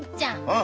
あ？